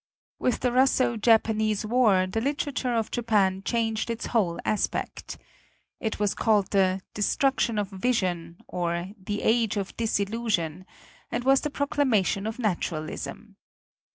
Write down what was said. With the Russo Japanese war, the literature of Japan changed its whole aspect. It was called the "destruction of vision," or the "age of disillusion," and was the proclamation of naturalism.